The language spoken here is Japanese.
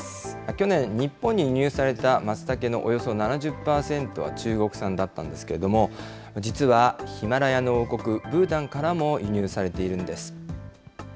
去年、日本に輸入されたマツタケのおよそ７０％は中国産だったんですけれども、実はヒマラヤの王国、ブータンからも輸入されているんです。